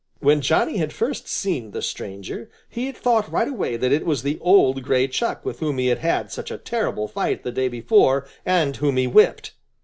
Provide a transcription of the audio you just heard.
When Johnny had first seen the stranger, he had thought right away that it was the old gray Chuck with whom he had had such a terrible fight the day before and whom he whipped.